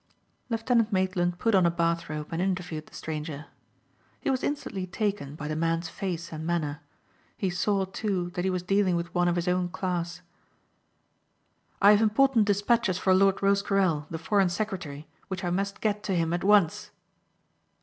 Lieutenant Maitland put on a bath robe and interviewed the stranger. He was instantly taken by the man's face and manner. He saw, too that he was dealing with one of his own class. "I have important despatches for Lord Rosecarrel the Foreign Secretary which I must get to him at once."